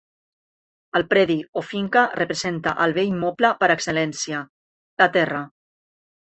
El predi o finca representa el bé immoble per excel·lència: la terra.